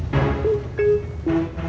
kiri pak kiri